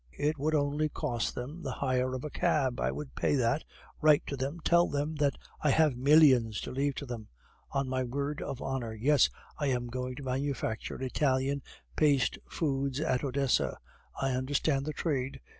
It would only cost them the hire of a cab. I would pay that. Write to them, tell them that I have millions to leave to them! On my word of honor, yes. I am going to manufacture Italian paste foods at Odessa. I understand the trade.